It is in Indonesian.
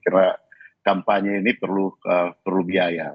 karena kampanye ini perlu biaya